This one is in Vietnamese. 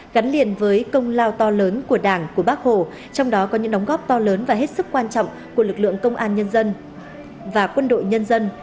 gắn liền với công lao to lớn của đảng của bác hồ trong đó có những đóng góp to lớn và hết sức quan trọng của lực lượng công an nhân dân và quân đội nhân dân